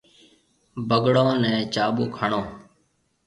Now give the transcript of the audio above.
بگڙون نَي چاٻڪ هڻو۔